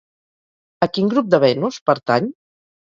A quin grup de Venus pertany?